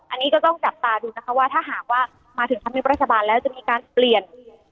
อันนี้ก็ต้องจับตาดูนะคะว่าถ้าหากว่ามาถึงธรรมเนียบรัฐบาลแล้วจะมีการเปลี่ยน